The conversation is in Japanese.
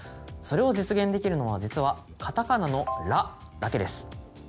それを実現できるのは実はカタカナの「ラ」だけです。